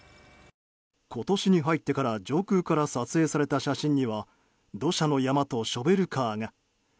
今年に入ってから上空から撮影された写真には土砂の山とショベルカーが。